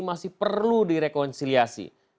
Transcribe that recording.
masih perlu direkonsiliasi